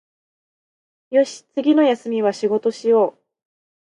よし、次の休みは仕事しよう